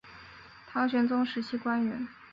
唐玄宗时期官员。